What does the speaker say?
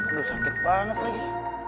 waduh sakit banget lagi